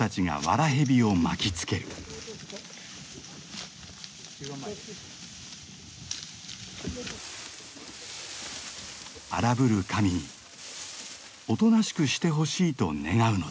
荒ぶる神におとなしくしてほしいと願うのだ。